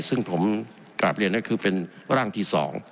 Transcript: ซึ่งผมกลับเรียนก็คือเป็นร่างที่๒